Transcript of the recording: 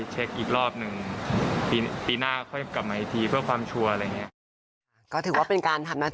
ใช่ค่ะมีนาก็ว่ากันใหม่แล้วกัน